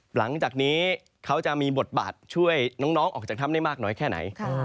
หลังจากนี้เขาจะมีบทบาทช่วยน้องออกจากถ้ำได้มากน้อยแค่ไหน